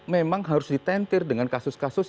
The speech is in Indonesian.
memang harus ditentir dengan kasus kasus